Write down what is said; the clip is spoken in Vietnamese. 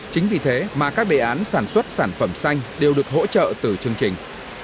chính vì thế mà các đề án sản xuất sản phẩm xanh đều được hỗ trợ từ chương trình